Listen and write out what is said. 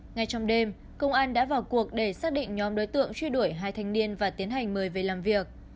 ngay trong đêm công an đã vào cuộc để xác định nhóm đối tượng truy đuổi hai thanh niên và tiến hành mời về làm việc